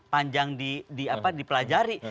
panjang di pelajari